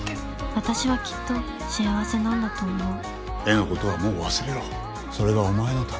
私はきっと幸せなんだと思う絵のことはもう忘れろそれがお前のためだ。